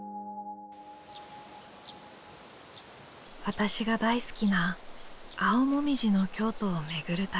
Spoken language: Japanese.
私が大好きな青もみじの京都を巡る旅。